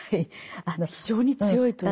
非常に強いという。